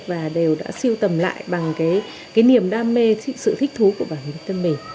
và đều đã siêu tầm lại bằng cái niềm đam mê sự thích thú của bản thân mình